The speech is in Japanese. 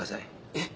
えっ？